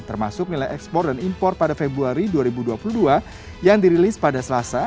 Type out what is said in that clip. termasuk nilai ekspor dan impor pada februari dua ribu dua puluh dua yang dirilis pada selasa